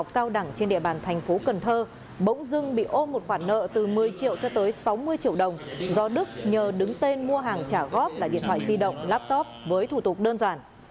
tại thành phố cần thơ bỗng dưng bị ôm một khoản nợ từ một mươi triệu cho tới sáu mươi triệu đồng do đức nhờ đứng tên mua hàng trả góp là điện thoại di động laptop với thủ tục đơn giản